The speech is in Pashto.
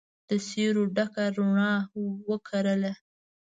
د سیورو ډکه روڼا وکرله